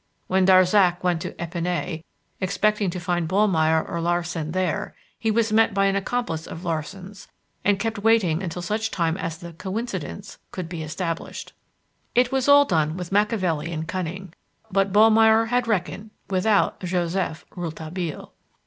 When Darzac went to Epinay, expecting to find Ballmeyer or Larsan there, he was met by an accomplice of Larsan's, and kept waiting until such time as the "coincidence" could be established. It was all done with Machiavellian cunning; but Ballmeyer had reckoned without Joseph Rouletabille.